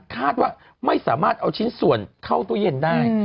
คาดว่าไม่สามารถเอาชิ้นส่วนเข้าตู้เย็นได้